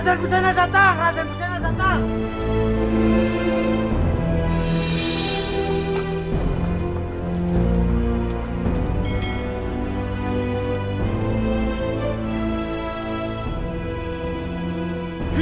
raden bujana datang